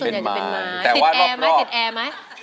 ติดแอร์ไหม